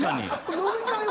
飲み会は。